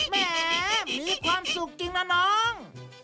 แหมมีความสุขจริงนะน้อง